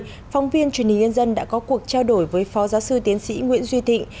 phóng viên truyền hình nhân dân đã có cuộc trao đổi với phó giáo sư tiến sĩ nguyễn duy thịnh